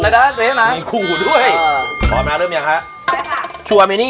เขาก็ไม่เคยไปด่าเลยนะ